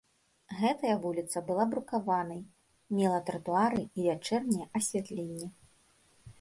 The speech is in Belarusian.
Гэтая вуліца была брукаванай, мела тратуары і вячэрняе асвятленне.